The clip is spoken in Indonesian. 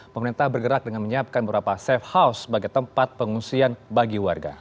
pemerintah bergerak dengan menyiapkan beberapa safe house sebagai tempat pengungsian bagi warga